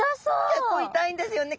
結構痛いんですよね。